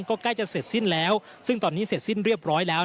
ก็ใกล้จะเสร็จสิ้นแล้วซึ่งตอนนี้เสร็จสิ้นเรียบร้อยแล้ว